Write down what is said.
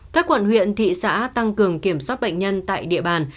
các quận huyện thị xã tăng cường kiểm soát bệnh nhân tại địa bàn